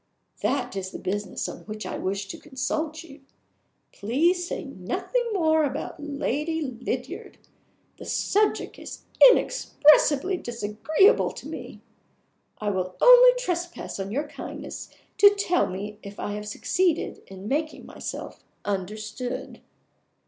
That is the business on which I wished to consult you. Please say nothing more about Lady Lydiard the subject is inexpressibly disagreeable to me. I will only trespass on your kindness to tell me if I have succeeded in making myself understood."